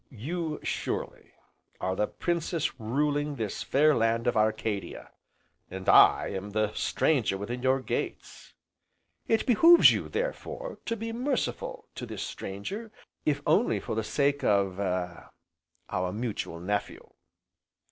"You surely, are the Princess ruling this fair land of Arcadia, and I am the Stranger within your gates. It behoves you, therefore, to be merciful to this Stranger, if only for the sake of er our mutual nephew."